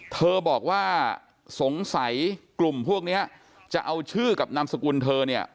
เธอบอกว่าสงสัยกลุ่มพวกนี้จะเอาชื่อกับนามสกุลเธอเนี่ย